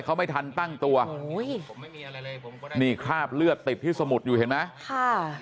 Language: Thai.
เขาไม่ทันตั้งตัวอุ้ยนี่คราบเลือดติดที่สมุดอยู่เห็นไหมค่ะ